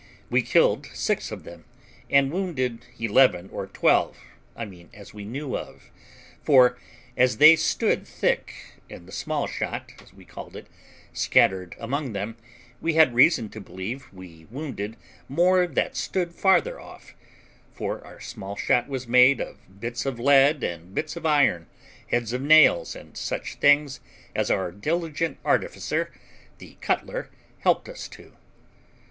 We killed six of them, and wounded eleven or twelve, I mean as we knew of; for, as they stood thick, and the small shot, as we called it, scattered among them, we had reason to believe we wounded more that stood farther off, for our small shot was made of bits of lead and bits of iron, heads of nails, and such things as our diligent artificer, the cutler, helped us to.